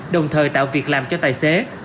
đồng thời tạo việc làm cho tài xế